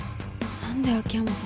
何で秋山さん